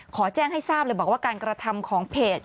แจ้งให้ทราบเลยบอกว่าการกระทำของเพจ